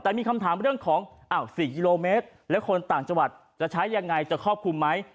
แต่มีคำถามเรื่องของ๔กิโลเมตรแล้วคนต่างจังหวัดจะใช้ยังไงจะครอบคลุมไหม